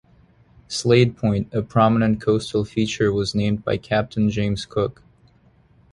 Slade Point, a prominent coastal feature was named by Captain James Cook.